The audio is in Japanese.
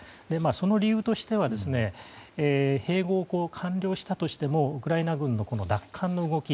その理由としては併合を完了したとしてもウクライナ軍の奪還の動き